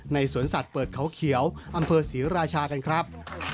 สวนสัตว์เปิดเขาเขียวอำเภอศรีราชากันครับ